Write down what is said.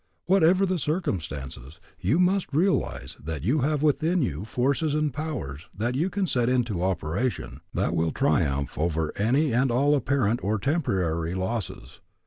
Whatever the circumstances, you must realize that you have within you forces and powers that you can set into operation that will triumph over any and all apparent or temporary losses.